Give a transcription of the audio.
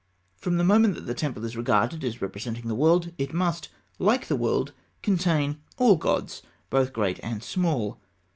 From the moment that the temple is regarded as representing the world, it must, like the world, contain all gods, both great and small.